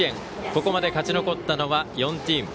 ここまで勝ち残ったのは４チーム。